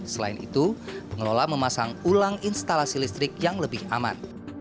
selain itu pengelola memasang ulang instalasi listrik yang lebih aman